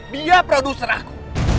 dia produser aku